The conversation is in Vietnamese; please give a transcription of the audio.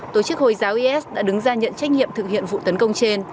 tổ chức hồi giáo is đã đứng ra nhận trách nhiệm thực hiện vụ tấn công trên